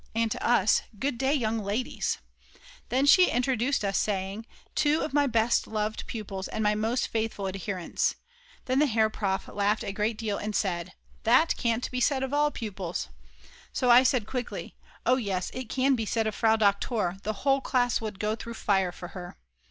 and to us: "Goodday, young ladies." Then she introduced us, saying: "Two of my best loved pupils and my most faithful adherents." Then the Herr Prof. laughed a great deal and said: "That can't be said of all pupils." So I said quickly: "Oh yes, it can be said of Frau Doktor, the whole class would go through fire for her."